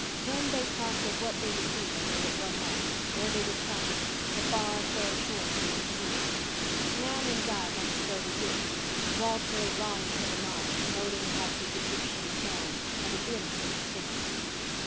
Then they talked of what they would do when they were grown up—where they would travel—the far, fair shores they would see. Nan and Di meant to go to Europe. Walter longed for the Nile moaning past its Egyptian sands, and a glimpse of the sphinx.